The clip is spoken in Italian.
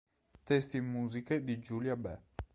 Testi e musiche di Giulia Be.